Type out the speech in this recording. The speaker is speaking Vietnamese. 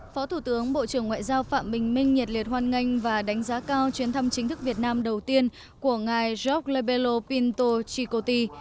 phó thủ tướng bộ trưởng ngoại giao phạm bình minh nhiệt liệt hoan nghênh và đánh giá cao chuyến thăm chính thức việt nam đầu tiên của ngài georgeo pinto chikoti